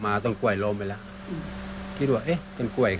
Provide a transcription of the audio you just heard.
มันเป็นรอยตะกุยเป็นรอยเล็บอ่ะ